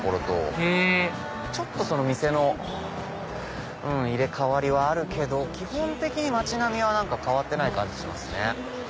へぇちょっと店の入れ替わりはあるけど基本的に街並みは変わってない感じしますね。